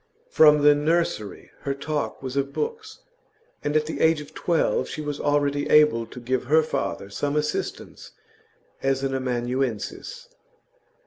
From the nursery her talk was of books, and at the age of twelve she was already able to give her father some assistance as an amanuensis.